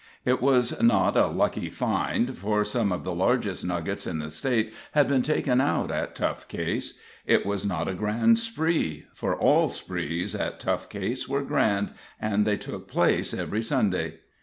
It was not a lucky "find," for some of the largest nuggets in the State had been taken out at Tough Case. It was not a grand spree, for all sprees at Tough Case were grand, and they took place every Sunday.